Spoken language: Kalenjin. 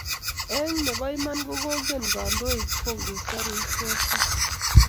Eng ne bo iman ko ko kingen kandoik ye kingesoru icheek tugul.